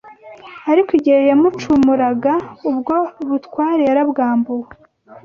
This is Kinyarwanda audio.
Ariko igihe yacumuraga, ubwo butware yarabwambuwe